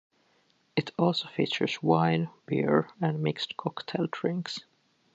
It also features wine, beer, and mixed cocktail drinks.